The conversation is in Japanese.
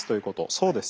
そうです。